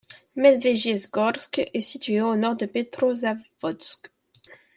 Medvejiegorsk est située à au nord de Petrozavodsk.